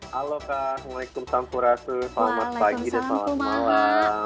halo kak assalamualaikum wr wb selamat pagi dan selamat malam